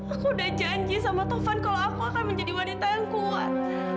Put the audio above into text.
aku udah janji sama tovan kalau aku akan menjadi wanita yang kuat